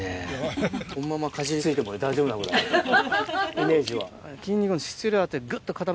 イメージは。